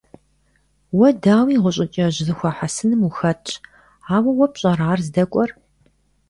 Уэ, дауи, гъущӀыкӀэжь зэхуэхьэсыным ухэтщ; ауэ уэ пщӀэрэ ар здэкӀуэр?